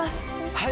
はい。